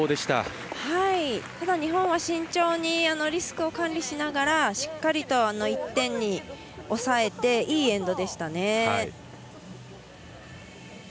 ただ日本は慎重にリスクを管理しながらしっかりと１点に抑えていいエンドでしたね。